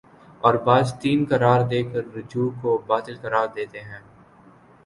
اور بعض تین قرار دے کررجوع کو باطل قرار دیتے ہیں